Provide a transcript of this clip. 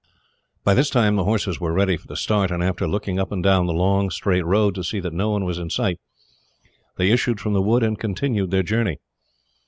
By this time, the horses were ready for the start, and after looking up and down the long, straight road, to see that no one was in sight, they issued from the wood and continued their journey.